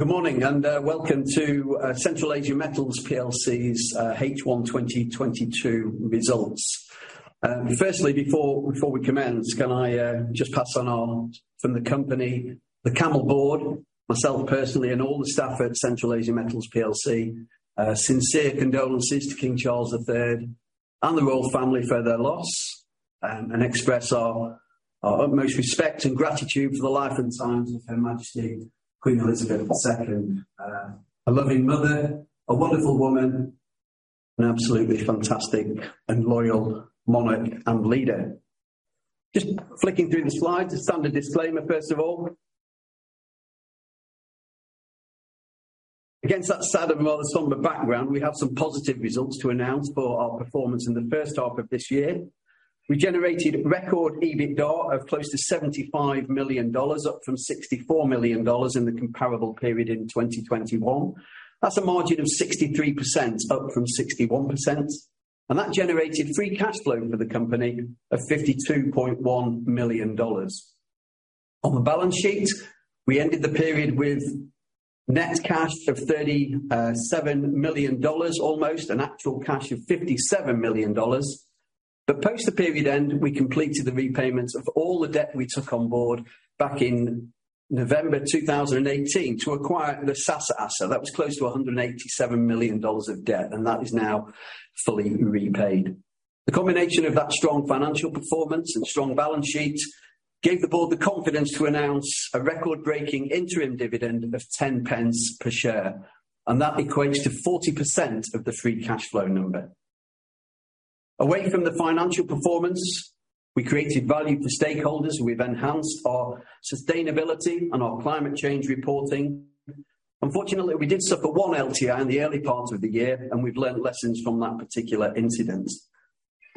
Good morning and welcome to Central Asia Metals PLC's H1 2022 results. Firstly, before we commence, can I just pass on from the company, the CAML board, myself personally, and all the staff at Central Asia Metals PLC, a sincere condolences to King Charles III and the royal family for their loss, and express our utmost respect and gratitude for the life and times of Her Majesty Queen Elizabeth II. A loving mother, a wonderful woman, and absolutely fantastic and loyal monarch and leader. Just flicking through the slides, the standard disclaimer first of all. Against that sad and rather somber background, we have some positive results to announce for our performance in the first half of this year. We generated record EBITDA of close to $75 million, up from $64 million in the comparable period in 2021. That's a margin of 63%, up from 61%, and that generated free cash flow for the company of $52.1 million. On the balance sheet, we ended the period with net cash of $37 million almost, and actual cash of $57 million. Post the period end, we completed the repayments of all the debt we took on board back in November 2018 to acquire the Sasa asset. That was close to $187 million of debt, and that is now fully repaid. The combination of that strong financial performance and strong balance sheet gave the board the confidence to announce a record-breaking interim dividend of 10 pence per share, and that equates to 40% of the free cash flow number. Away from the financial performance, we created value for stakeholders and we've enhanced our sustainability and our climate change reporting. Unfortunately, we did suffer one LTI in the early part of the year, and we've learned lessons from that particular incident.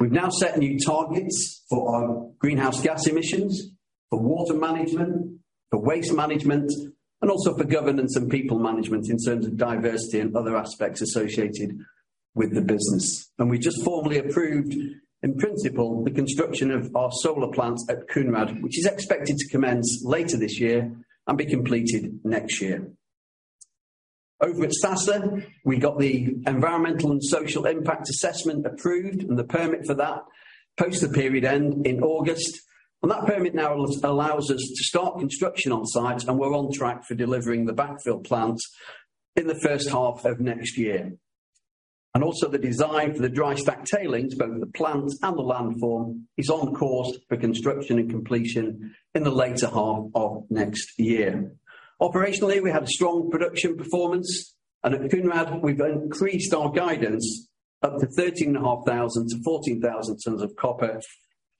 We've now set new targets for our greenhouse gas emissions, for water management, for waste management, and also for governance and people management in terms of diversity and other aspects associated with the business. We just formally approved, in principle, the construction of our solar plants at Kounrad, which is expected to commence later this year and be completed next year. Over at Sasa, we got the environmental and social impact assessment approved and the permit for that post the period end in August. That permit now allows us to start construction on site, and we're on track for delivering the backfill plants in the first half of next year. Also the design for the dry stack tailings, both the plant and the landform, is on course for construction and completion in the later half of next year. Operationally, we had strong production performance, and at Kounrad we've increased our guidance up to 13,500-14,000 tons of copper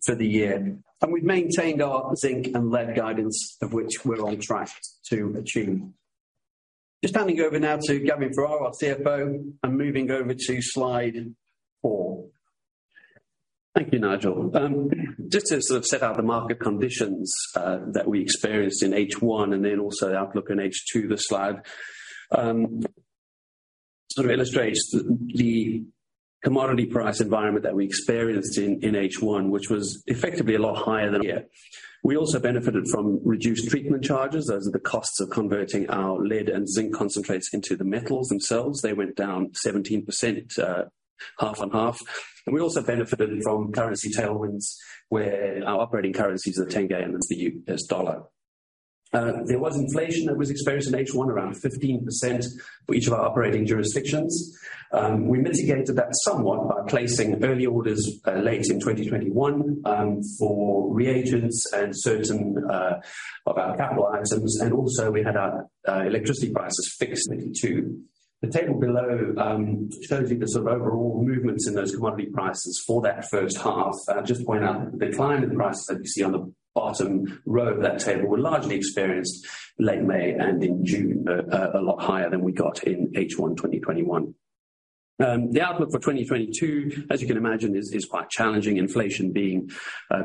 for the year. We've maintained our zinc and lead guidance of which we're on track to achieve. Just handing over now to Gavin Ferrar, our CFO, and moving over to slide 4. Thank you, Nigel. Just to sort of set out the market conditions that we experienced in H1 and then also the outlook in H2, this slide sort of illustrates the commodity price environment that we experienced in H1 which was effectively a lot higher than here. We also benefited from reduced treatment charges. Those are the costs of converting our lead and zinc concentrates into the metals themselves. They went down 17%, half on half. We also benefited from currency tailwinds where our operating currencies are tenge and the U.S. dollar. There was inflation that was experienced in H1 around 15% for each of our operating jurisdictions. We mitigated that somewhat by placing early orders late in 2021 for reagents and certain of our capital items. We also had our electricity prices fixed maybe too. The table below shows you the sort of overall movements in those commodity prices for that first half. I'll just point out, the decline in prices that you see on the bottom row of that table were largely experienced late May and in June, a lot higher than we got in H1 2021. The outlook for 2022, as you can imagine, is quite challenging, inflation being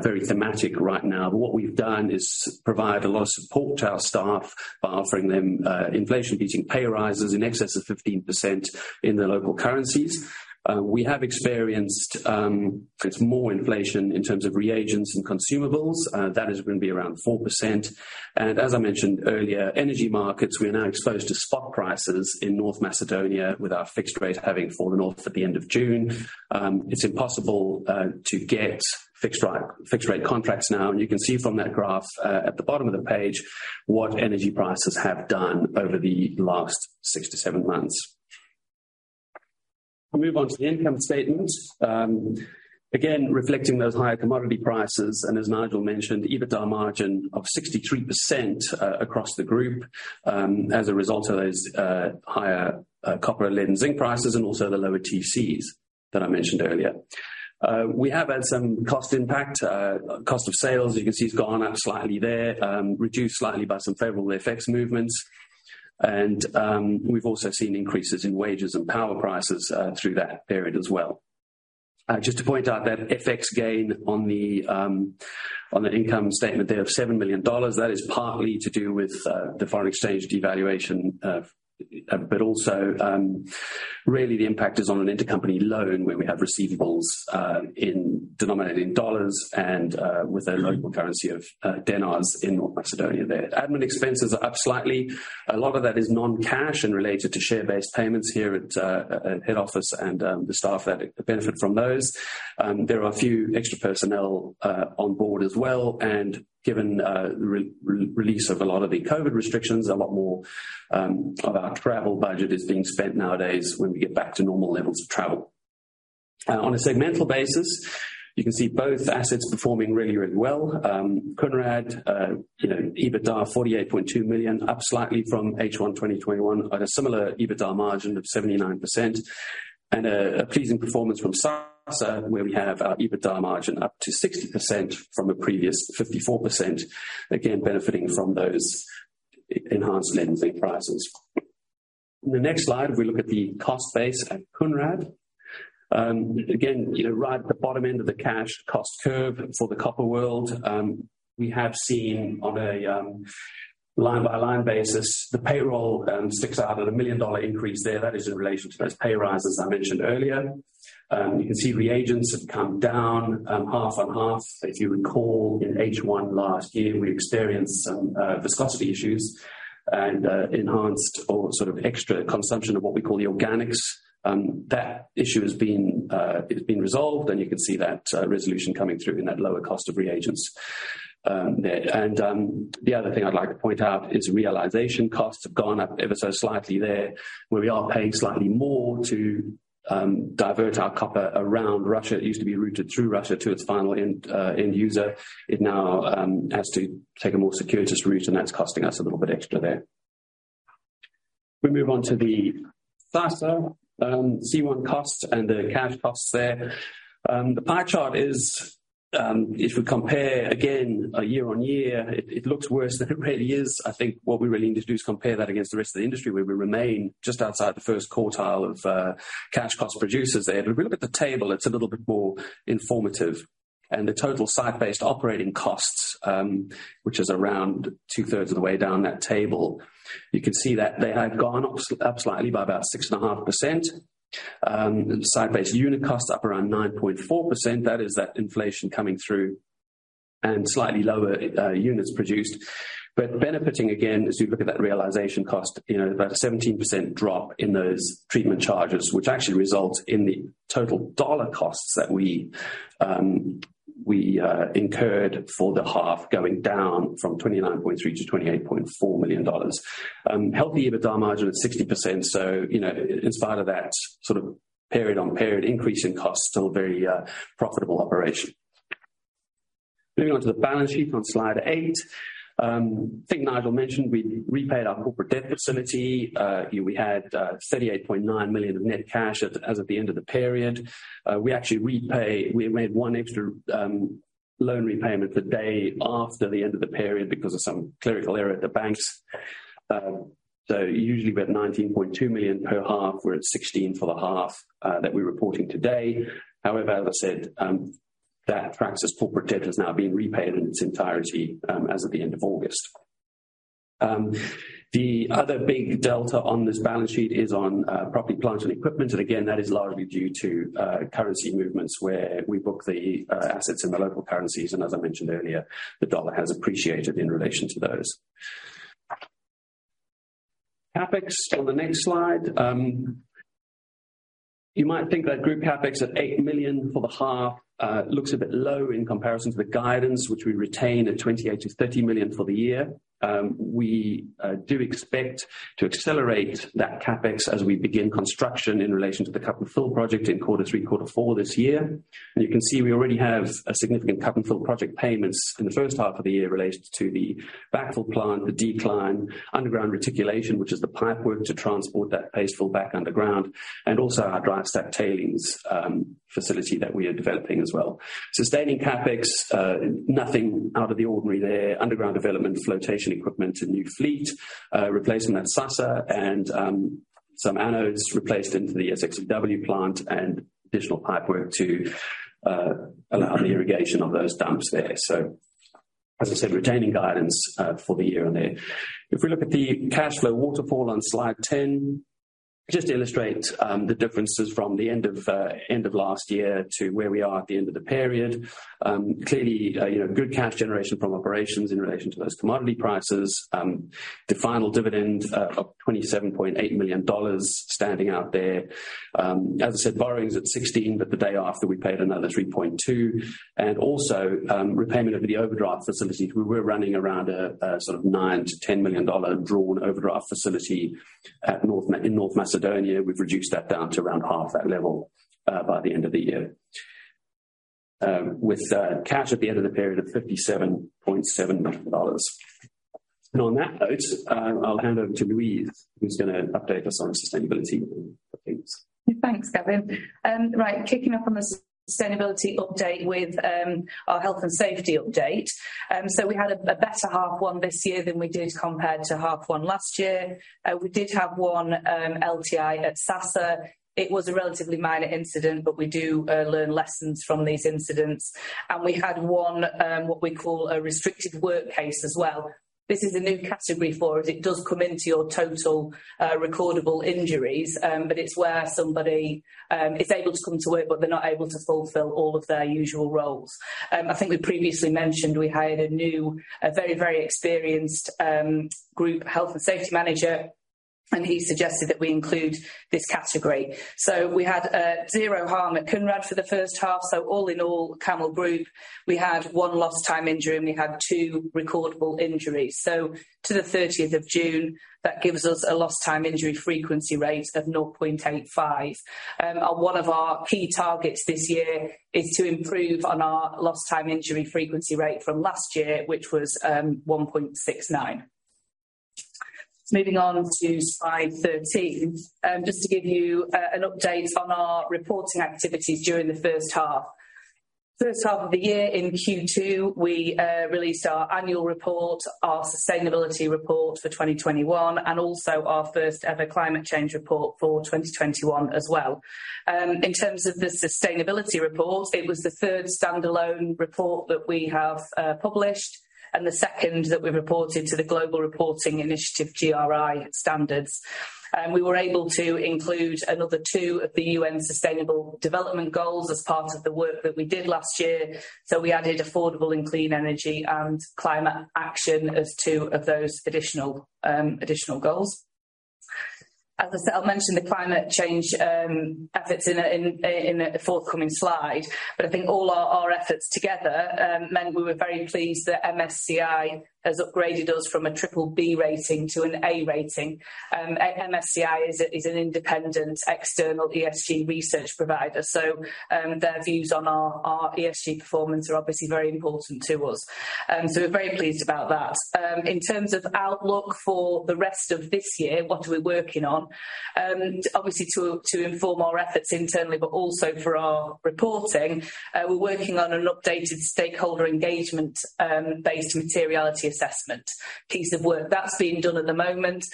very thematic right now. What we've done is provide a lot of support to our staff by offering them inflation-beating pay rises in excess of 15% in the local currencies. We have experienced, it's more inflation in terms of reagents and consumables. That is gonna be around 4%. As I mentioned earlier, energy markets, we are now exposed to spot prices in North Macedonia with our fixed rate having fallen off at the end of June. It's impossible to get fixed rate contracts now. You can see from that graph at the bottom of the page what energy prices have done over the last 6-7 months. We move on to the income statement. Again, reflecting those higher commodity prices, and as Nigel mentioned, EBITDA margin of 63% across the group as a result of those higher copper, lead, and zinc prices and also the lower TCs that I mentioned earlier. We have had some cost impact. Cost of sales, you can see, has gone up slightly there, reduced slightly by some favorable FX movements. We've also seen increases in wages and power prices through that period as well. Just to point out that FX gain on the income statement there of $7 million, that is partly to do with the foreign exchange devaluation, but also, really the impact is on an intercompany loan where we have receivables denominated in dollars and with a local currency of denars in North Macedonia there. Admin expenses are up slightly. A lot of that is non-cash and related to share-based payments here at head office and the staff that benefit from those. There are a few extra personnel on board as well. Given the release of a lot of the COVID restrictions, a lot more of our travel budget is being spent nowadays when we get back to normal levels of travel. On a segmental basis, you can see both assets performing really well. Kounrad, you, EBITDA $48.2 million, up slightly from H1 2021 on a similar EBITDA margin of 79%. A pleasing performance from Sasa, where we have our EBITDA margin up to 60% from a previous 54%, again, benefiting from those enhanced lending prices. In the next slide, we look at the cost base at Kounrad. Again, you know, right at the bottom end of the cash cost curve for the copper world. We have seen on a line-by-line basis the payroll sticks out at a $1 million increase there. That is in relation to those pay rises I mentioned earlier. You can see reagents have come down, half on half. If you recall, in H1 last year, we experienced some viscosity issues and enhanced or sort of extra consumption of what we call the organics. That issue has been resolved, and you can see that resolution coming through in that lower cost of reagents. The other thing I'd like to point out is realization costs have gone up ever so slightly there, where we are paying slightly more to divert our copper around Russia. It used to be routed through Russia to its final end user. It now has to take a more circuitous route, and that's costing us a little bit extra there. We move on to the Sasa C1 costs and the cash costs there. The pie chart is, if we compare again year-on-year, it looks worse than it really is. I think what we really need to do is compare that against the rest of the industry, where we remain just outside the first quartile of cash cost producers there. If we look at the table, it's a little bit more informative. The total site-based operating costs, which is around two-thirds of the way down that table, you can see that they have gone up slightly by about 6.5%. Site-based unit costs up around 9.4%. That is that inflation coming through and slightly lower units produced. Benefiting again, as we look at that realization cost about a 17% drop in those treatment charges, which actually results in the total dollar costs that we incurred for the half going down from $29.3 million to $28.4 million. Healthy EBITDA margin of 60%. You know, in spite of that sort of period-on-period increase in cost, still a very profitable operation. Moving on to the balance sheet on slide eight. I think Nigel mentioned we repaid our corporate debt facility. We had $38.9 million of net cash as of the end of the period. We actually made one extra loan repayment the day after the end of the period because of some clerical error at the banks. Usually we have $19.2 million per half. We're at 16 for the half that we're reporting today. However, as I said, that Praxis corporate debt has now been repaid in its entirety as of the end of August. The other big delta on this balance sheet is on property, plant, and equipment. Again, that is largely due to currency movements where we book the assets in the local currencies. As I mentioned earlier, the dollar has appreciated in relation to those. CapEx on the next slide. You might think that group CapEx at $8 million for the half looks a bit low in comparison to the guidance which we retain at $28 million-$30 million for the year. We do expect to accelerate that CapEx as we begin construction in relation to the cut-and-fill project in quarter 3, quarter 4 this year. You can see we already have a significant cut-and-fill project payments in the first half of the year related to the backfill plant, the decline, underground reticulation, which is the pipework to transport that paste fill back underground, and also our dry stack tailings facility that we are developing as well. Sustaining CapEx, nothing out of the ordinary there. Underground development, flotation equipment, and new fleet, replacing that Sasa and some anodes replaced into the SXEW plant and additional pipework to allow the irrigation of those dumps there. As I said, retaining guidance for the year on there. If we look at the cash flow waterfall on slide 10, just to illustrate, the differences from the end of last year to where we are at the end of the period. Clearly, you know, good cash generation from operations in relation to those commodity prices. The final dividend of $27.8 million standing out there. As I said, borrowings at $16, but the day after we paid another $3.2. Also, repayment of the overdraft facility. We were running around a sort of $9-$10 million drawn overdraft facility in North Macedonia. We've reduced that down to around half that level, by the end of the year. With cash at the end of the period of $57.7 million. On that note, I'll hand over to Louise, who's gonna update us on sustainability updates. Thanks, Gavin. Right. Kicking off on the sustainability update with our health and safety update. We had a better half one this year than we did compared to half one last year. We did have one LTI at Sasa. It was a relatively minor incident, but we do learn lessons from these incidents. We had one what we call a restricted work case as well. This is a new category for us. It does come into your total recordable injuries, but it's where somebody is able to come to work, but they're not able to fulfill all of their usual roles. I think we previously mentioned we hired a new very experienced group health and safety manager. He suggested that we include this category. We had zero harm at Kounrad for the first half. All in all, CAML Group, we had one lost time injury, and we had two recordable injuries. To the 30th of June, that gives us a lost time injury frequency rate of 0.85. One of our key targets this year is to improve on our lost time injury frequency rate from last year, which was 1.69. Moving on to slide 13. Just to give you an update on our reporting activities during the first half. First half of the year in Q2, we released our annual report, our sustainability report for 2021, and also our first ever climate change report for 2021 as well. In terms of the sustainability report, it was the third standalone report that we have published and the second that we reported to the Global Reporting Initiative, GRI standards. We were able to include another two of the UN Sustainable Development Goals as part of the work that we did last year, so we added affordable and clean energy and climate action as two of those additional goals. As I said, I'll mention the climate change efforts in a forthcoming slide, but I think all our efforts together meant we were very pleased that MSCI has upgraded us from a triple B rating to an A rating. MSCI is an independent external ESG research provider, so their views on our ESG performance are obviously very important to us. We're very pleased about that. In terms of outlook for the rest of this year, what are we working on? Obviously to inform our efforts internally, but also for our reporting, we're working on an updated stakeholder engagement based materiality assessment piece of work. That's being done at the moment.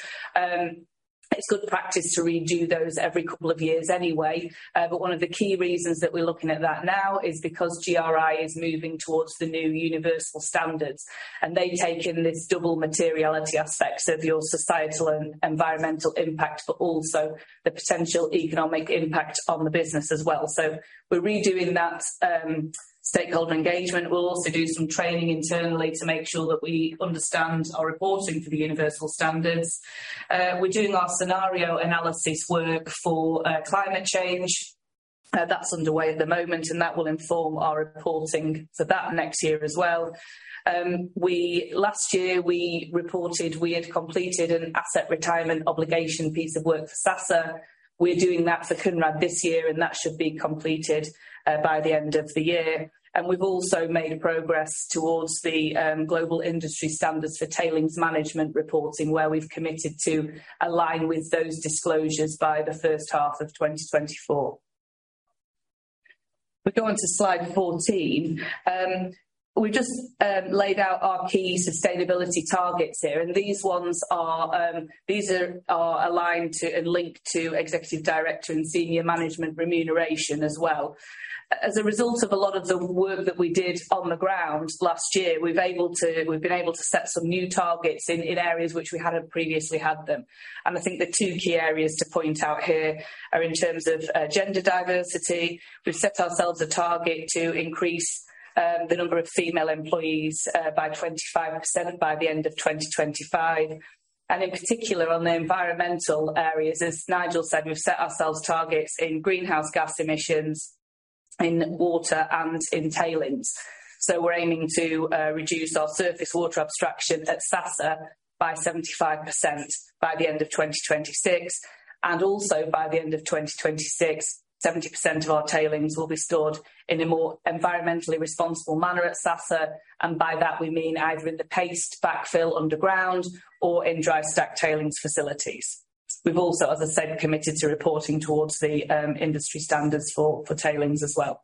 It's good practice to redo those every couple of years anyway. One of the key reasons that we're looking at that now is because GRI is moving towards the new universal standards, and they take in this double materiality aspect of your societal and environmental impact, but also the potential economic impact on the business as well. We're redoing that stakeholder engagement. We'll also do some training internally to make sure that we understand our reporting for the universal standards. We're doing our scenario analysis work for climate change. That's underway at the moment, and that will inform our reporting for that next year as well. Last year, we reported we had completed an asset retirement obligation piece of work for Sasa. We're doing that for Kounrad this year, and that should be completed by the end of the year. We've also made a progress towards the Global Industry Standard on Tailings Management reporting, where we've committed to align with those disclosures by the first half of 2024. We go on to slide 14. We've just laid out our key sustainability targets here, and these are aligned to and linked to executive director and senior management remuneration as well. As a result of a lot of the work that we did on the ground last year, we've been able to set some new targets in areas which we hadn't previously had them. I think the two key areas to point out here are in terms of gender diversity. We've set ourselves a target to increase the number of female employees by 25% by the end of 2025. In particular, on the environmental areas, as Nigel said, we've set ourselves targets in greenhouse gas emissions, in water and in tailings. We're aiming to reduce our surface water abstraction at Sasa by 75% by the end of 2026, and also by the end of 2026, 70% of our tailings will be stored in a more environmentally responsible manner at Sasa, and by that we mean either in the paste backfill underground or in dry stack tailings facilities. We've also, as I said, committed to reporting towards the industry standards for tailings as well.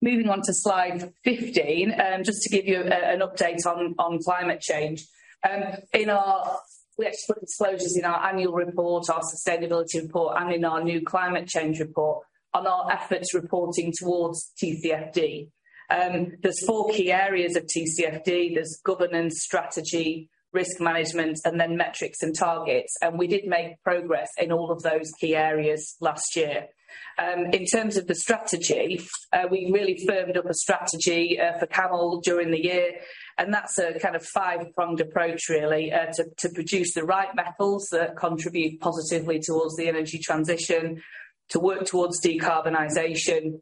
Moving on to slide 15, just to give you an update on climate change. We actually put disclosures in our annual report, our sustainability report, and in our new climate change report on our efforts reporting towards TCFD. There's four key areas of TCFD. There's governance, strategy, risk management, and then metrics and targets. We did make progress in all of those key areas last year. In terms of the strategy, we really firmed up a strategy for CAML during the year, and that's a kind of five-pronged approach really to produce the right metals that contribute positively towards the energy transition, to work towards decarbonization,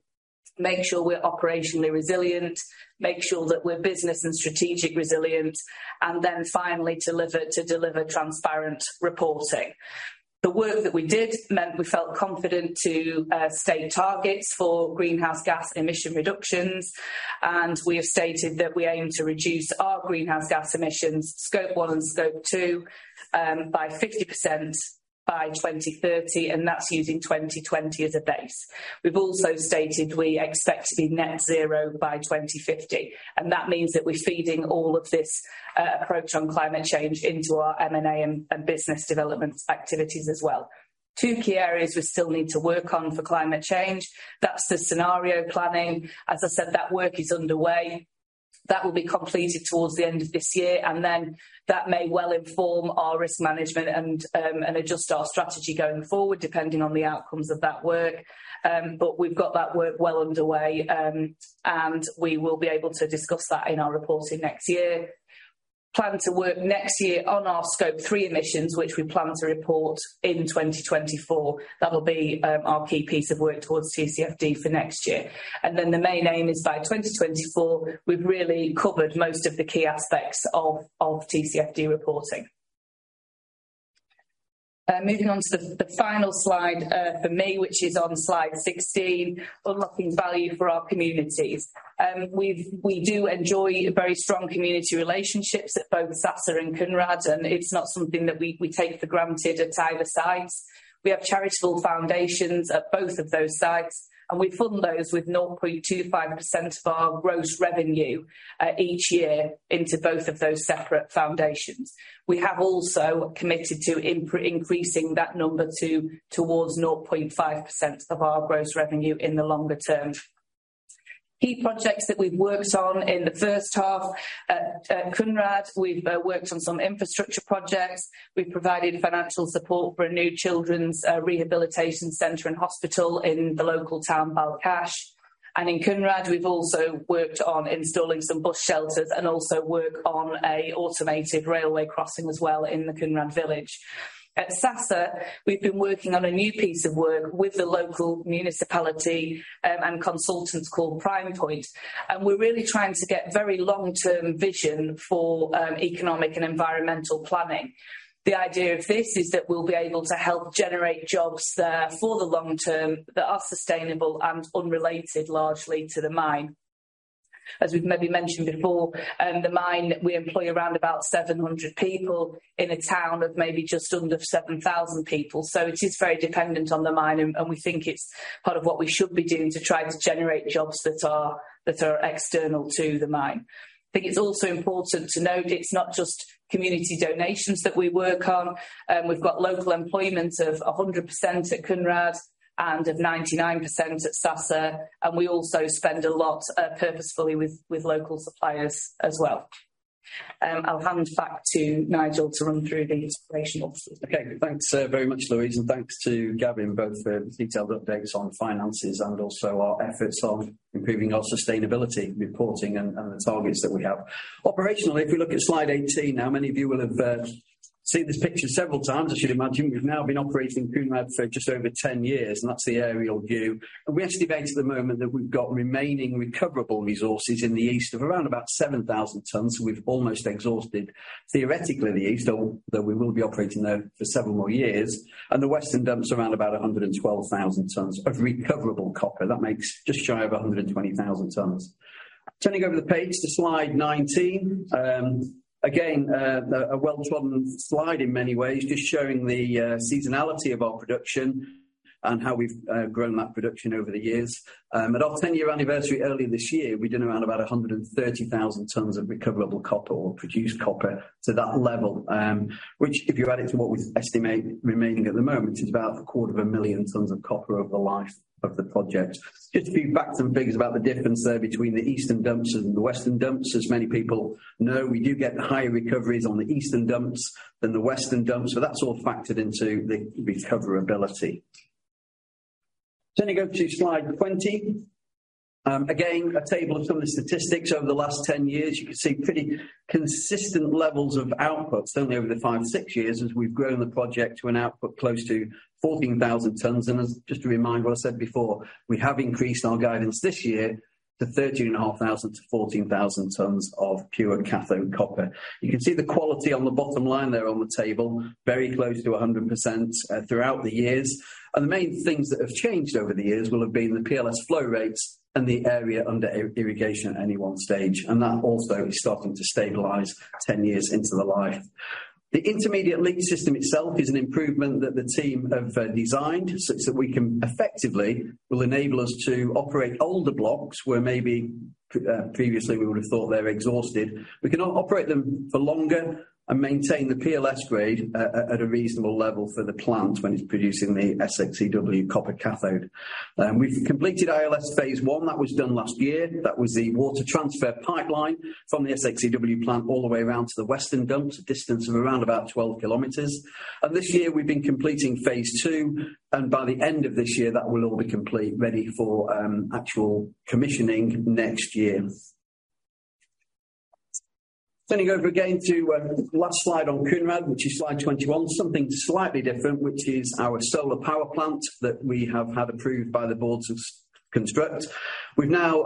make sure we're operationally resilient, make sure that we're business and strategic resilient, and then finally, deliver transparent reporting. The work that we did meant we felt confident to set targets for greenhouse gas emission reductions, and we have stated that we aim to reduce our greenhouse gas emissions, Scope 1 and Scope 2, by 50% by 2030, and that's using 2020 as a base. We've also stated we expect to be net zero by 2050, and that means that we're feeding all of this approach on climate change into our M&A and business development activities as well. Two key areas we still need to work on for climate change. That's the scenario planning. As I said, that work is underway. That will be completed towards the end of this year, and then that may well inform our risk management and adjust our strategy going forward, depending on the outcomes of that work. We've got that work well underway, and we will be able to discuss that in our reporting next year. We plan to work next year on our Scope 3 emissions, which we plan to report in 2024. That will be our key piece of work towards TCFD for next year. The main aim is by 2024, we've really covered most of the key aspects of TCFD reporting. Moving on to the final slide for me, which is on slide 16, unlocking value for our communities. We do enjoy very strong community relationships at both Sasa and Kounrad, and it's not something that we take for granted at either sites. We have charitable foundations at both of those sites, and we fund those with 0.25% of our gross revenue each year into both of those separate foundations. We have also committed to increasing that number towards 0.5% of our gross revenue in the longer term. Key projects that we've worked on in the first half at Kounrad, we've worked on some infrastructure projects. We've provided financial support for a new children's rehabilitation center and hospital in the local town, Balkhash. In Kounrad, we've also worked on installing some bus shelters and also work on a automated railway crossing as well in the Kounrad village. At Sasa, we've been working on a new piece of work with the local municipality, and consultants called PrimePoint, and we're really trying to get very long-term vision for economic and environmental planning. The idea of this is that we'll be able to help generate jobs there for the long term that are sustainable and unrelated largely to the mine. As we've maybe mentioned before, the mine, we employ around about 700 people in a town of maybe just under 7,000 people. It is very dependent on the mine and we think it's part of what we should be doing to try to generate jobs that are external to the mine. I think it's also important to note it's not just community donations that we work on. We've got local employment of 100% at Kounrad and of 99% at Sasa, and we also spend a lot purposefully with local suppliers as well. I'll hand back to Nigel to run through the operational figures. Okay. Thanks very much, Louise, and thanks to Gavin both for detailed updates on finances and also our efforts on improving our sustainability reporting and the targets that we have. Operationally, if we look at slide 18 now, many of you will have seen this picture several times, I should imagine. We've now been operating Kounrad for just over 10 years, and that's the aerial view. We estimate at the moment that we've got remaining recoverable resources in the east of around about 7,000 tons. We've almost exhausted theoretically the east, although we will be operating there for several more years. The western dumps around about 112,000 tons of recoverable copper. That makes just shy of 120,000 tons. Turning over the page to slide 19, again, a well-trodden slide in many ways, just showing the seasonality of our production and how we've grown that production over the years. At our 10-year anniversary early this year, we did around about 130,000 tons of recoverable copper or produced copper. That level, which if you add it to what we estimate remaining at the moment, is about 250,000 tons of copper over the life of the project. Just to give you back some figures about the difference there between the eastern dumps and the western dumps, as many people know, we do get higher recoveries on the eastern dumps than the western dumps. That's all factored into the recoverability. Turning over to slide 20. Again, a table of some of the statistics over the last 10 years. You can see pretty consistent levels of outputs only over the five, six years as we've grown the project to an output close to 14,000 tons. As just a reminder, I said before, we have increased our guidance this year to 13,500-14,000 tons of pure cathode copper. You can see the quality on the bottom line there on the table, very close to 100% throughout the years. The main things that have changed over the years will have been the PLS flow rates and the area under irrigation at any one stage. That also is starting to stabilize 10 years into the life. The intermediate leach system itself is an improvement that the team have designed such that we can effectively will enable us to operate older blocks where maybe previously we would have thought they're exhausted. We can operate them for longer and maintain the PLS grade at a reasonable level for the plant when it's producing the SXEW copper cathode. We've completed ILS phase 1. That was done last year. That was the water transfer pipeline from the SXEW plant all the way around to the western dumps, a distance of around about 12 km. This year we've been completing phase 2, and by the end of this year, that will all be complete, ready for actual commissioning next year. Turning over again to the last slide on Kounrad, which is slide 21, something slightly different, which is our solar power plant that we have had approved by the board to construct. We've now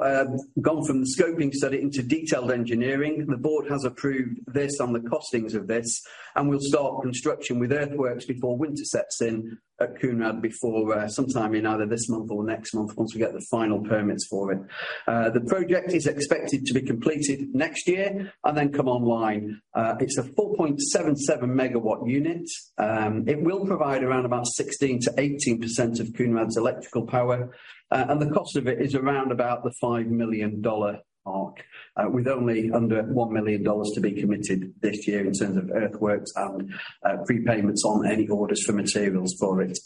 gone from the scoping study into detailed engineering. The board has approved this on the costings of this, and we'll start construction with earthworks before winter sets in at Kounrad before sometime in either this month or next month once we get the final permits for it. The project is expected to be completed next year and then come online. It's a 4.77 MW unit. It will provide around about 16%-18% of Kounrad's electrical power, and the cost of it is around about the $5 million mark, with only under $1 million to be committed this year in terms of earthworks and prepayments on any orders for materials for it.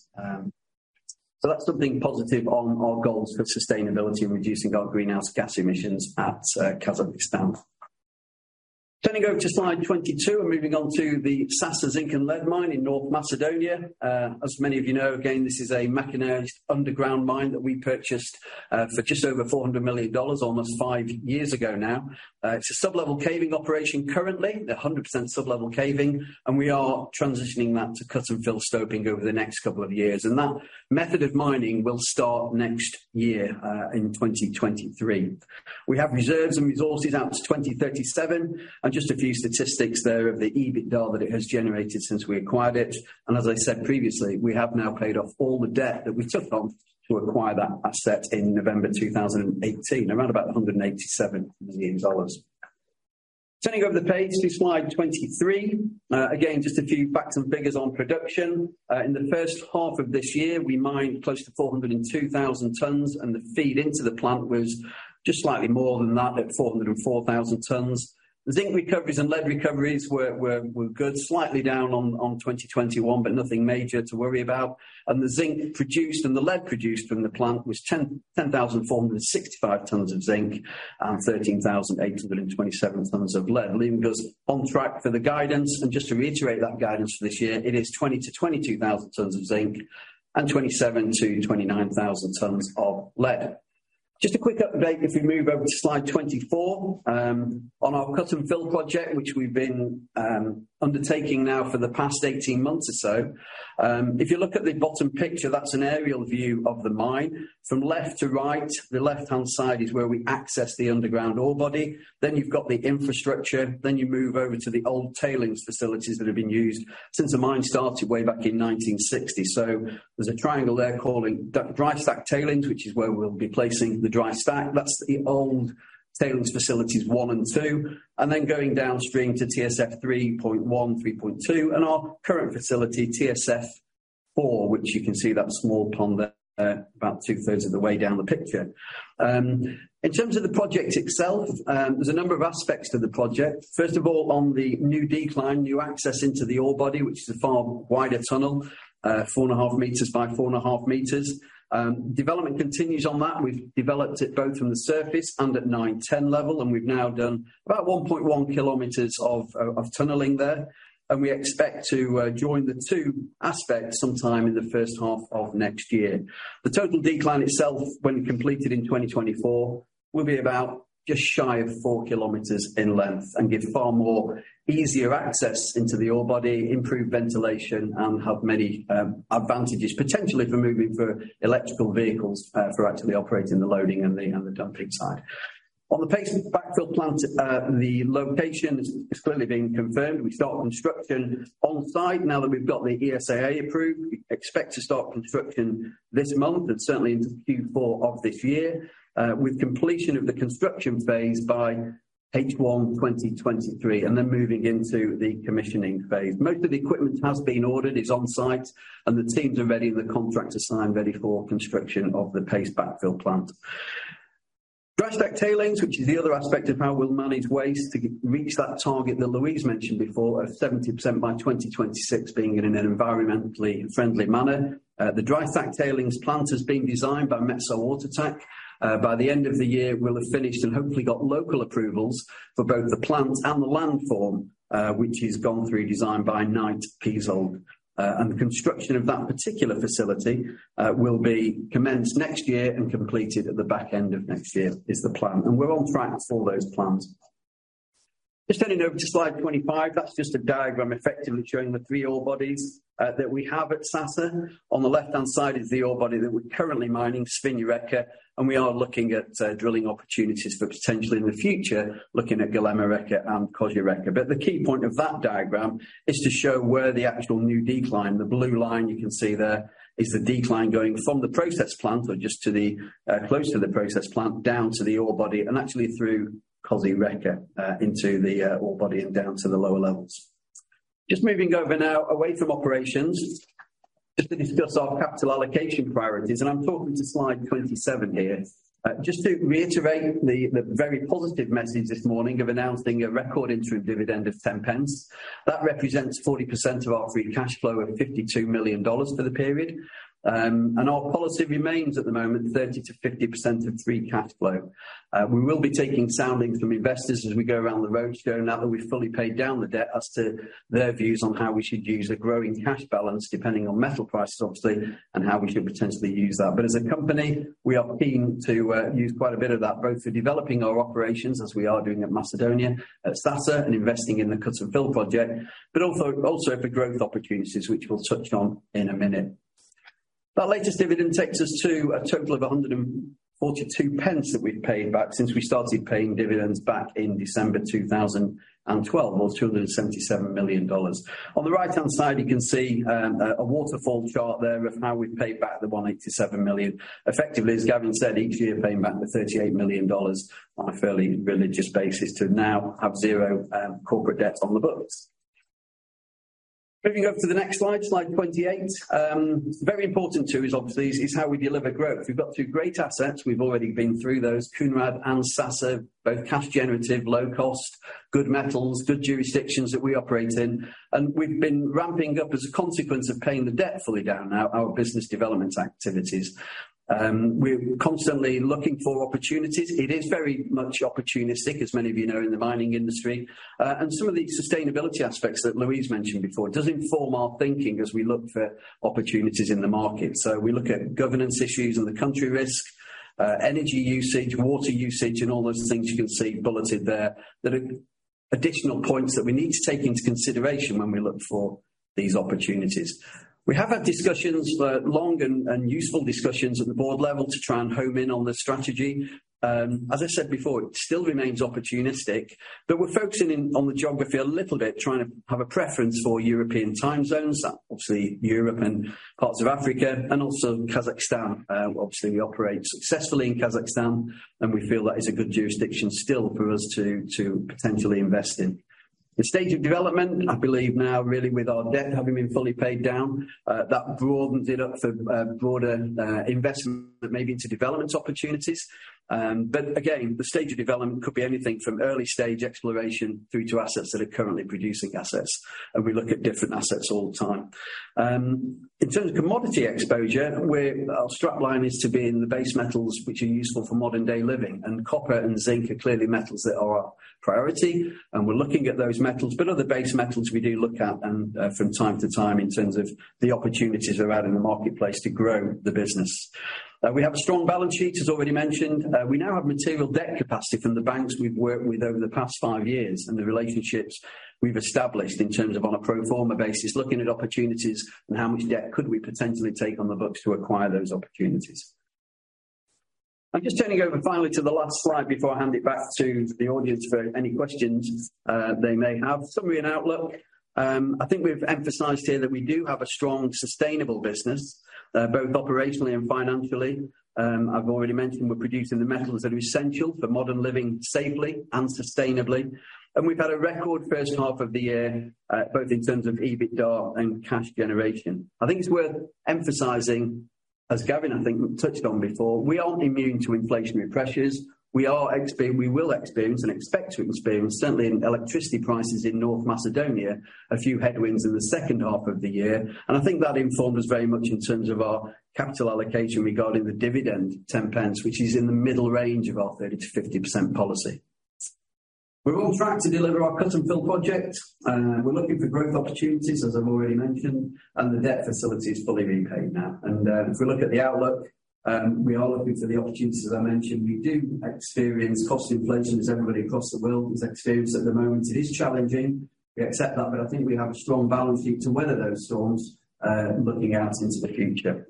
That's something positive on our goals for sustainability and reducing our greenhouse gas emissions in Kazakhstan. Turning over to slide 22 and moving on to the Sasa zinc and lead mine in North Macedonia. As many of you know, again, this is a mechanized underground mine that we purchased for just over $400 million almost five years ago now. It's a sublevel caving operation currently. They are 100% sublevel caving, and we are transitioning that to cut and fill over the next couple of years. That method of mining will start next year, in 2023. We have reserves and resources out to 2037. Just a few statistics there of the EBITDA that it has generated since we acquired it. As I said previously, we have now paid off all the debt that we took on to acquire that asset in November 2018, around about $187 million. Turning over the page to slide 23. Again, just a few facts and figures on production. In the first half of this year, we mined close to 402,000 tons, and the feed into the plant was just slightly more than that at 404,000 tons. The zinc recoveries and lead recoveries were good. Slightly down on 2021, but nothing major to worry about. The zinc produced and the lead produced from the plant was 10,465 tons of zinc and 13,827 tons of lead, leaving us on track for the guidance. Just to reiterate that guidance for this year, it is 20,000-22,000 tons of zinc and 27,000-29,000 tons of lead. Just a quick update if we move over to slide 24. On our cut-and-fill project, which we've been undertaking now for the past 18 months or so. If you look at the bottom picture, that's an aerial view of the mine. From left to right, the left-hand side is where we access the underground ore body. You've got the infrastructure, then you move over to the old tailings facilities that have been used since the mine started way back in 1960. There's a triangle there calling that dry stack tailings, which is where we'll be placing the dry stack. That's the old tailings facilities one and two, and then going downstream to TSF 3.1, 3.2, and our current facility, TSF 4, which you can see that small pond there about two-thirds of the way down the picture. In terms of the project itself, there's a number of aspects to the project. First of all, on the new decline, new access into the ore body, which is a far wider tunnel, 4.5 meters by 4.5 meters. Development continues on that. We've developed it both from the surface and at 9-10 level, and we've now done about 1.1 km of tunneling there. We expect to join the two aspects sometime in the first half of next year. The total decline itself, when completed in 2024, will be about just shy of 4 km in length and give far more easier access into the ore body, improved ventilation and have many advantages, potentially for moving for electrical vehicles, for actually operating the loading and the dumping side. On the paste backfill plant, the location has clearly been confirmed. We start construction on-site now that we've got the ESIA approved. We expect to start construction this month and certainly into Q4 of this year, with completion of the construction phase by H1 2023, and then moving into the commissioning phase. Most of the equipment has been ordered, is on-site, and the teams are ready, and the contracts are signed, ready for construction of the paste backfill plant. Dry stack tailings, which is the other aspect of how we'll manage waste to reach that target that Louise mentioned before of 70% by 2026 being in an environmentally friendly manner. The dry stack tailings plant has been designed by Metso Outotec. By the end of the year, we'll have finished and hopefully got local approvals for both the plant and the landform, which has gone through design by Knight Piésold. The construction of that particular facility will be commenced next year and completed at the back end of next year, is the plan. We're on track for all those plans. Just turning over to slide 25. That's just a diagram effectively showing the three ore bodies that we have at Sasa. On the left-hand side is the ore body that we're currently mining, Svinja Reka, and we are looking at drilling opportunities for potentially in the future, looking at Golema Reka and Kozja Reka. The key point of that diagram is to show where the actual new decline, the blue line you can see there, is the decline going from the process plant or just to the close to the process plant, down to the ore body and actually through Kozja Reka, into the ore body and down to the lower levels. Just moving over now away from operations, just to discuss our capital allocation priorities, and I'm talking to slide 27 here. Just to reiterate the very positive message this morning of announcing a record interim dividend of 10 pence, that represents 40% of our free cash flow of $52 million for the period. Our policy remains at the moment 30%-50% of free cash flow. We will be taking soundings from investors as we go around the roadshow now that we've fully paid down the debt as to their views on how we should use a growing cash balance, depending on metal prices, obviously, and how we should potentially use that. As a company, we are keen to use quite a bit of that both for developing our operations as we are doing at Macedonia at Sasa and investing in the cut-and-fill project, but also for growth opportunities, which we'll touch on in a minute. That latest dividend takes us to a total of 1.42 that we've paid back since we started paying dividends back in December 2012 or $277 million. On the right-hand side, you can see a waterfall chart there of how we've paid back the $187 million. Effectively, as Gavin said, each year, paying back the $38 million on a fairly religious basis to now have zero corporate debt on the books. Moving over to the next slide 28. Very important too is obviously how we deliver growth. We've got two great assets. We've already been through those, Kounrad and Sasa, both cash generative, low cost, good metals, good jurisdictions that we operate in, and we've been ramping up as a consequence of paying the debt fully down our business development activities. We're constantly looking for opportunities. It is very much opportunistic, as many of you know, in the mining industry. Some of the sustainability aspects that Louise mentioned before, it does inform our thinking as we look for opportunities in the market. We look at governance issues and the country risk, energy usage, water usage, and all those things you can see bulleted there that are additional points that we need to take into consideration when we look for these opportunities. We have had discussions, long and useful discussions at the board level to try and home in on the strategy. As I said before, it still remains opportunistic, but we're focusing in on the geography a little bit, trying to have a preference for European time zones, obviously Europe and parts of Africa and also Kazakhstan. Obviously, we operate successfully in Kazakhstan, and we feel that is a good jurisdiction still for us to potentially invest in. The stage of development, I believe now really with our debt having been fully paid down, that broadens it up for broader investment maybe into development opportunities. Again, the stage of development could be anything from early stage exploration through to assets that are currently producing assets, and we look at different assets all the time. In terms of commodity exposure, our strap line is to be in the base metals which are useful for modern-day living, and copper and zinc are clearly metals that are our priority, and we're looking at those metals. Other base metals we do look at them from time to time in terms of the opportunities that are out in the marketplace to grow the business. We have a strong balance sheet, as already mentioned. We now have material debt capacity from the banks we've worked with over the past five years and the relationships we've established in terms of on a pro forma basis, looking at opportunities and how much debt could we potentially take on the books to acquire those opportunities. I'm just turning over finally to the last slide before I hand it back to the audience for any questions they may have. Summary and outlook. I think we've emphasized here that we do have a strong, sustainable business both operationally and financially. I've already mentioned we're producing the metals that are essential for modern living, safely and sustainably. We've had a record first half of the year both in terms of EBITDA and cash generation. I think it's worth emphasizing, as Gavin, I think, touched on before, we aren't immune to inflationary pressures. We are experiencing, we will experience and expect to experience, certainly in electricity prices in North Macedonia, a few headwinds in the second half of the year. I think that informed us very much in terms of our capital allocation regarding the dividend, 0.10, which is in the middle range of our 30%-50% policy. We're on track to deliver our cut and fill project. We're looking for growth opportunities, as I've already mentioned, and the debt facility is fully repaid now. If we look at the outlook, we are looking for the opportunities, as I mentioned. We do experience cost inflation as everybody across the world has experienced at the moment. It is challenging. We accept that, but I think we have a strong balance sheet to weather those storms, looking out into the future.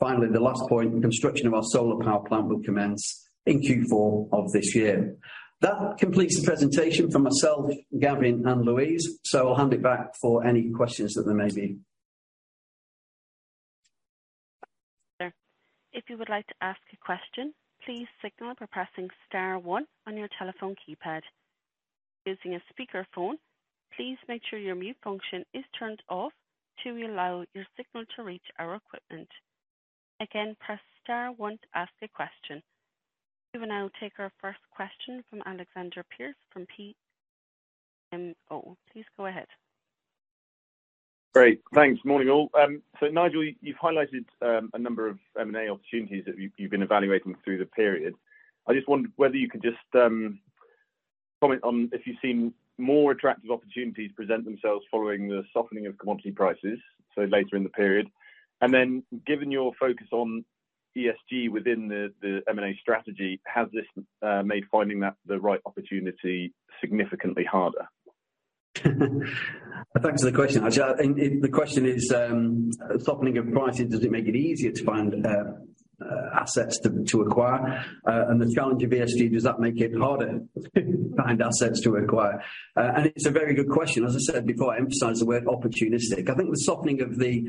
Finally, the last point, construction of our solar power plant will commence in Q4 of this year. That completes the presentation from myself, Gavin, and Louise, so I'll hand it back for any questions that there may be. If you would like to ask a question, please signal by pressing star one on your telephone keypad. Using a speaker phone, please make sure your mute function is turned off to allow your signal to reach our equipment. Again, press star one to ask a question. We will now take our first question from Alexander Pearce from BMO. Please go ahead. Great. Thanks. Morning, all. Nigel, you've highlighted a number of M&A opportunities that you've been evaluating through the period. I just wondered whether you could just comment on if you've seen more attractive opportunities present themselves following the softening of commodity prices, so later in the period. Then given your focus on ESG within the M&A strategy, has this made finding the right opportunity significantly harder? Thanks for the question. The question is, softening of prices, does it make it easier to find assets to acquire? The challenge of ESG, does that make it harder to find assets to acquire? It's a very good question. As I said before, I emphasize the word opportunistic. I think the softening of the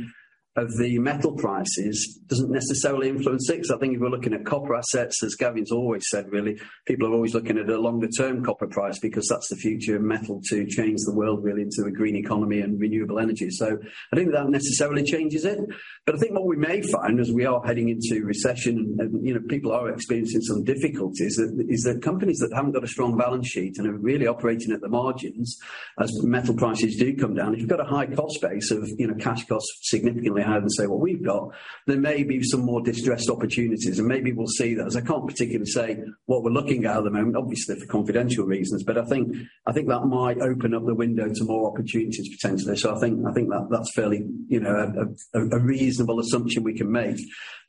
metal prices doesn't necessarily influence it, 'cause I think if we're looking at copper assets, as Gavin's always said, really, people are always looking at a longer term copper price because that's the future of metal to change the world really into a green economy and renewable energy. I don't think that necessarily changes it. I think what we may find as we are heading into recession and, you know, people are experiencing some difficulties is that companies that haven't got a strong balance sheet and are really operating at the margins as metal prices do come down. If you've got a high cost base of cash costs significantly higher than, say, what we've got, there may be some more distressed opportunities and maybe we'll see that. As I can't particularly say what we're looking at at the moment, obviously for confidential reasons, but I think that might open up the window to more opportunities potentially. I think that that's fairly, you know, a reasonable assumption we can make.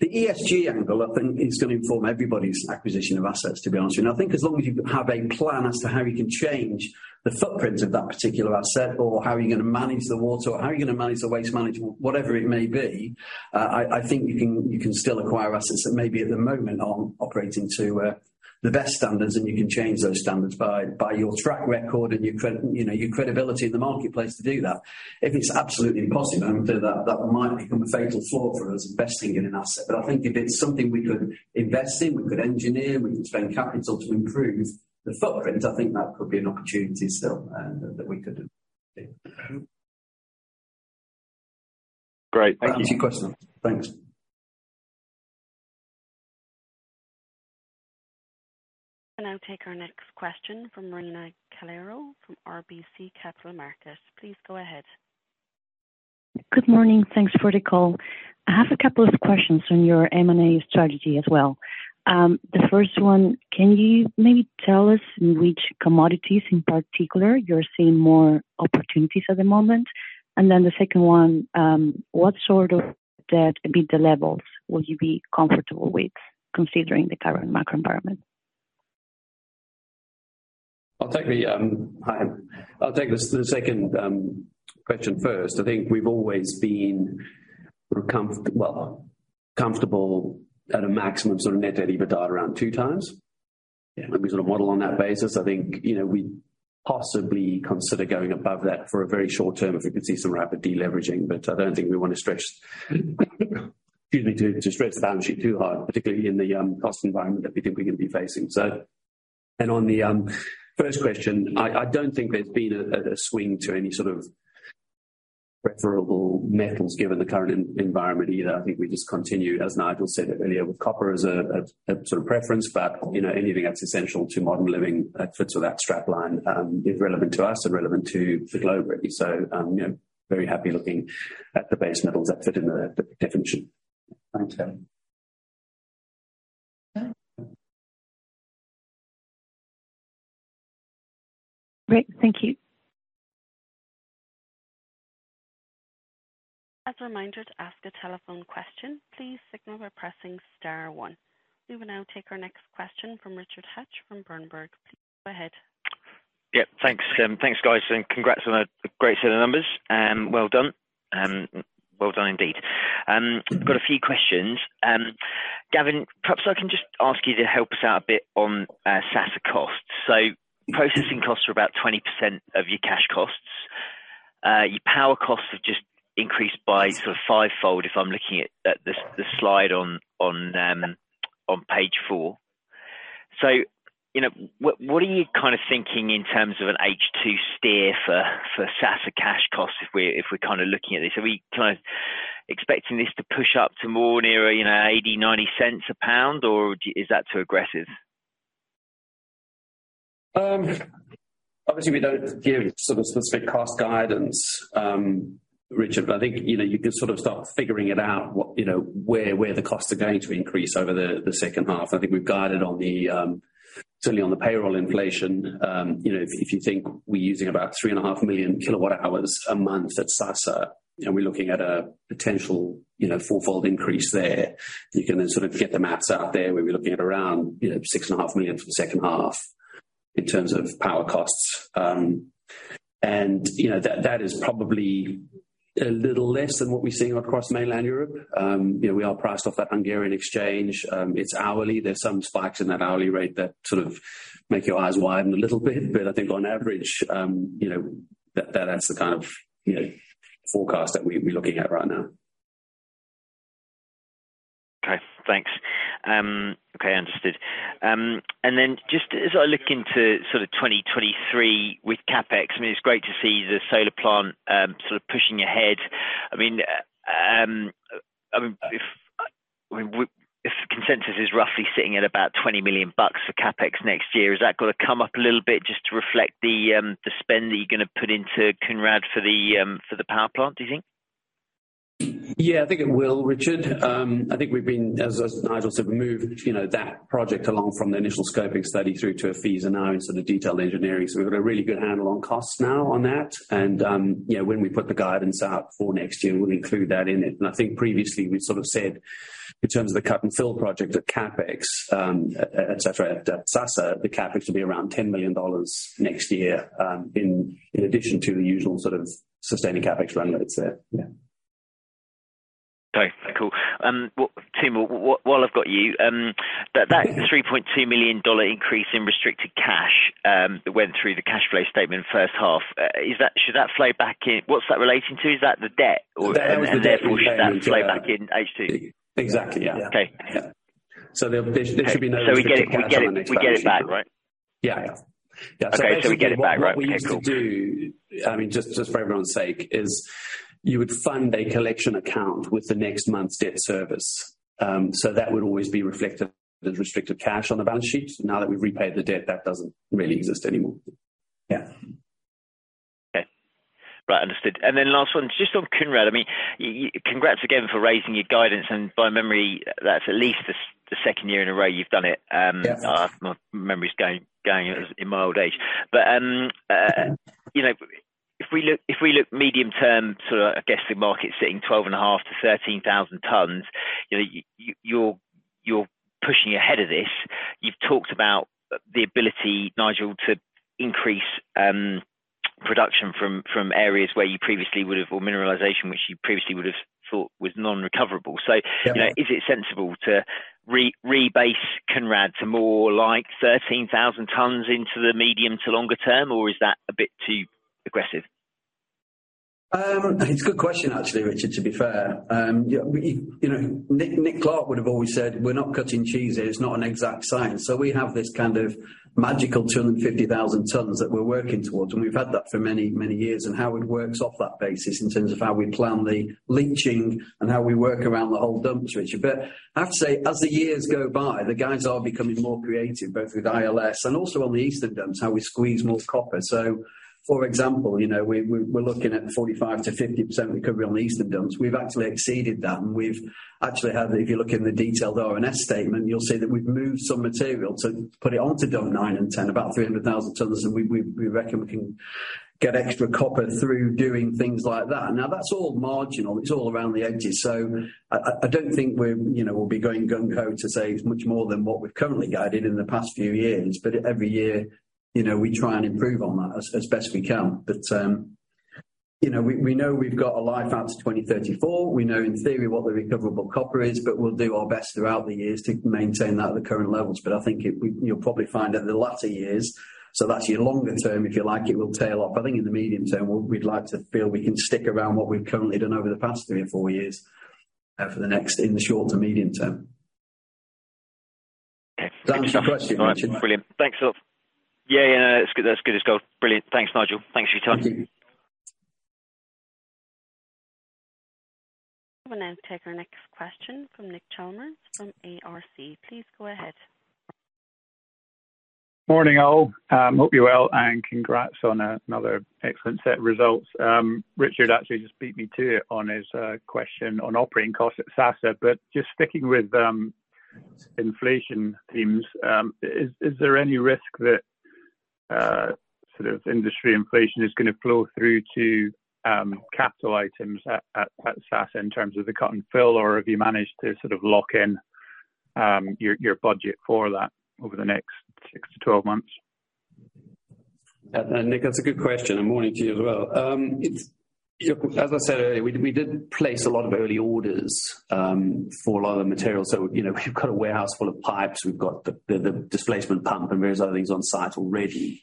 The ESG angle I think is gonna inform everybody's acquisition of assets, to be honest with you. I think as long as you have a plan as to how you can change the footprint of that particular asset or how you're gonna manage the water or how you're gonna manage the waste management, whatever it may be, I think you can still acquire assets that maybe at the moment aren't operating to the best standards, and you can change those standards by your track record and you know, your credibility in the marketplace to do that. If it's absolutely impossible, then that might become a fatal flaw for us investing in an asset. I think if it's something we could invest in, we could engineer, we could spend capital to improve the footprint, I think that could be an opportunity still, that we could take. Great. Thank you. That answers your question. Thanks. We'll now take our next question from Marina Calero from RBC Capital Markets. Please go ahead. Good morning. Thanks for the call. I have a couple of questions on your M&A strategy as well. The first one, can you maybe tell us in which commodities in particular you're seeing more opportunities at the moment? The second one, what sort of levels will you be comfortable with considering the current macro environment? I'll take the second question first. I think we've always been sort of comfortable at a maximum sort of net debt EBITDA around 2x. Yeah. We sort of model on that basis. I think, you know, we'd possibly consider going above that for a very short term if we could see some rapid de-leveraging. But I don't think we wanna stretch the balance sheet too high, particularly in the cost environment that we think we're gonna be facing. On the first question, I don't think there's been a swing to any sort of preferable metals given the current environment either. I think we just continue, as Nigel said earlier, with copper as a sort of preference. You know, anything that's essential to modern living fits with that strap line is relevant to us and relevant to the globe really. You know, very happy looking at the base metals that fit in the definition. Okay. Great. Thank you. As a reminder, to ask a telephone question, please signal by pressing star one. We will now take our next question from Richard Hatch from Berenberg. Please go ahead. Yep, thanks. Thanks, guys, and congrats on a great set of numbers. Well done. Well done indeed. Mm-hmm. I've got a few questions. Gavin, perhaps I can just ask you to help us out a bit on Sasa costs. Mm-hmm. Processing costs are about 20% of your cash costs. Your power costs have just increased by sort of fivefold, if I'm looking at the slide on page 4. You know, what are you kinda thinking in terms of an H2 steer for Sasa cash costs if we're kinda looking at this? Are we kind of expecting this to push up to more nearer, you know, $0.80-$0.90 a pound, or is that too aggressive? Obviously we don't give sort of specific cost guidance, Richard, but I think, you know, you can sort of start figuring it out what, you know, where the costs are going to increase over the second half. I think we've guided on the, certainly on the payroll inflation. You know, if you think we're using about 3.5 million kWh a month at Sasa, and we're looking at a potential, you know, fourfold increase there, you can then sort of get the math out there, where we're looking at around, $6.5 million for the second half in terms of power costs. You know, that is probably a little less than what we're seeing across mainland Europe. You know, we are priced off that Hungarian Power Exchange. It's hourly. There's some spikes in that hourly rate that sort of make your eyes widen a little bit. I think on average, you know, that's the kind of, you know, forecast that we're looking at right now. Okay. Thanks. Okay. Understood. Just as I look into sort of 2023 with CapEx, I mean, it's great to see the solar plant sort of pushing ahead. If consensus is roughly sitting at about $20 million for CapEx next year, is that gonna come up a little bit just to reflect the spend that you're gonna put into Kounrad for the power plant, do you think? Yeah, I think it will, Richard. I think we've been, as Nigel said, we've moved that project along from the initial scoping study through to a feasibility analysis to the detailed engineering. So we've got a really good handle on costs now on that. You know, when we put the guidance out for next year, we'll include that in it. I think previously we've sort of said in terms of the cut and fill project at CapEx, etc., at Sasa, the CapEx will be around $10 million next year, in addition to the usual sort of sustaining CapEx run rates there. Yeah. Thanks. Cool, while I've got you, that $3.2 million increase in restricted cash that went through the cash flow statement first half, is that should that flow back in? What's that relating to? Is that the debt or- The debt and the debt repayment, yeah. Therefore should that flow back in H2? Exactly. Yeah. Okay. There should be no restricted cash on our next balance sheet. We get it back, right? Yeah. Yeah. Okay. We get it back, right? Okay, cool. What we used to do, I mean, just for everyone's sake, is you would fund a collection account with the next month's debt service. So that would always be reflected as restricted cash on the balance sheet. Now that we've repaid the debt, that doesn't really exist anymore. Yeah. Okay. Right. Understood. Then last one, just on Kounrad. I mean, you, congrats again for raising your guidance. By memory, that's at least the second year in a row you've done it. Yeah. My memory's going in my old age. You know, if we look medium term, sort of, I guess, the market sitting 12,500-13,000 tons you're pushing ahead of this. You've talked about the ability, Nigel, to increase production from areas where you previously would have, or mineralization, which you previously would have thought was non-recoverable. Yeah. You know, is it sensible to rebase Kounrad to more like 13,000 tons into the medium to longer term, or is that a bit too aggressive? It's a good question actually, Richard, to be fair. Yeah, we, you know, Nick Clarke would have always said, "We're not cutting cheese here. It's not an exact science." We have this kind of magical 250,000 tons that we're working towards, and we've had that for many, many years, and how it works off that basis in terms of how we plan the leaching and how we work around the whole dumps, Richard. I have to say, as the years go by, the guys are becoming more creative, both with ILS and also on the eastern dumps, how we squeeze more copper. For example, you know, we're looking at 45%-50% recovery on the eastern dumps. We've actually exceeded that, and we've actually had, if you look in the detailed RNS statement, you'll see that we've moved some material to put it onto dump nine and 10, about 300,000 tons. We reckon we can Get extra copper through doing things like that. That's all marginal, it's all around the edges. I don't think we're, you know, we'll be going gung-ho to say it's much more than what we've currently guided in the past few years. Every year, you know, we try and improve on that as best we can. We know we've got a life out to 2034. We know in theory what the recoverable copper is, but we'll do our best throughout the years to maintain that at the current levels. I think you'll probably find that in the latter years, so that's your longer term if you like, it will tail off. I think in the medium term we'd like to feel we can stick around what we've currently done over the past three or four years, for the next, in the short to medium term. Okay. Thanks for the question. All right, brilliant. Thanks a lot. Yeah, yeah, that's good, that's good as gold. Brilliant. Thanks, Nigel. Thanks for your time. Thank you. We'll now take our next question from Nick Chalmers from ARC. Please go ahead. Morning, all. Hope you're well, and congrats on another excellent set of results. Richard actually just beat me to it on his question on operating costs at Sasa. Just sticking with inflation themes, is there any risk that sort of industry inflation is gonna flow through to capital items at Sasa in terms of the cut and fill? Or have you managed to sort of lock in your budget for that over the next 6-12 months? Nick, that's a good question. Morning to you as well. Look, as I said earlier, we did place a lot of early orders for a lot of the materials. You know, we've got a warehouse full of pipes. We've got the displacement pump and various other things on site already.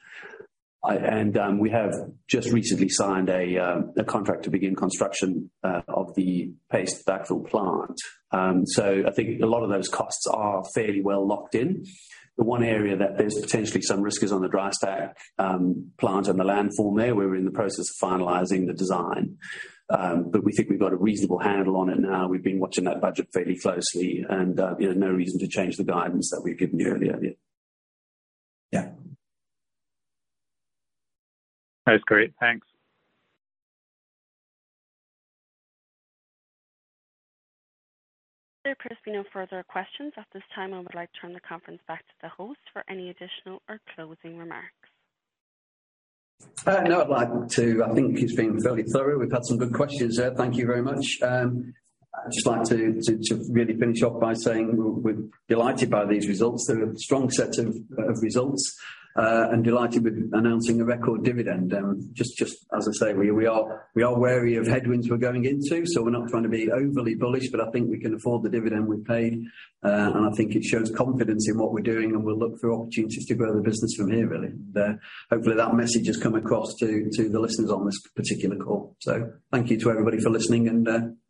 We have just recently signed a contract to begin construction of the paste backfill plant. I think a lot of those costs are fairly well locked in. The one area that there's potentially some risk is on the dry stack plant and the landform there. We're in the process of finalizing the design. We think we've got a reasonable handle on it now. We've been watching that budget fairly closely and, you know, no reason to change the guidance that we've given you earlier. Yeah. That's great. Thanks. There appears to be no further questions at this time. I would like to turn the conference back to the host for any additional or closing remarks. No, I'd like to. I think it's been fairly thorough. We've had some good questions there. Thank you very much. I'd just like to really finish off by saying we're delighted by these results. They're a strong set of results, and delighted with announcing a record dividend. Just as I say, we are wary of headwinds we're going into, so we're not trying to be overly bullish, but I think we can afford the dividend we've paid. And I think it shows confidence in what we're doing, and we'll look for opportunities to grow the business from here, really, there. Hopefully, that message has come across to the listeners on this particular call. Thank you to everybody for listening and yeah.